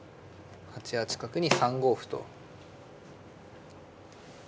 ８八角に３五歩と。